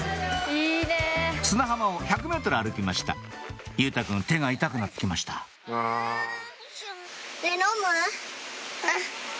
砂浜を１００ｍ歩きました佑太くん手が痛くなってきましたのむ？